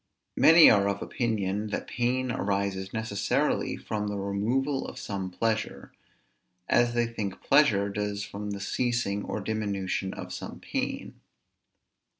Many are of opinion, that pain arises necessarily from the removal of some pleasure; as they think pleasure does from the ceasing or diminution of some pain.